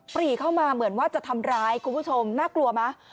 ปรีเข้ามาเหมือนว่าจะทำร้ายคุณผู้ชมน่ากลัวไหม